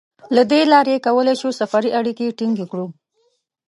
له دې لارې کولای شو سفري اړیکې ټینګې کړو.